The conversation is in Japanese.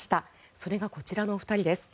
それがこちらの２人です。